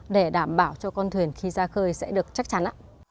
để đảm bảo cho con thuyền khi ra khơi sẽ được chắc chắn